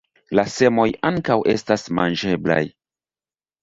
La semoj ankaŭ estas manĝeblaj.